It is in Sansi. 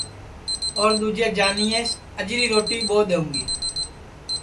اور دؔوجے جانیئس اجری روٹی ٻو دؔونگی